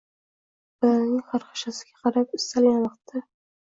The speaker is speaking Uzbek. • Bolaning xarxashasiga qarab istalgan vaqtda